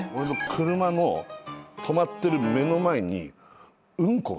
車の止まってる目の前にうんこが。